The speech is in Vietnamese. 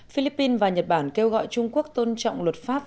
philippines và nhật bản kêu gọi trung quốc tôn trọng luật pháp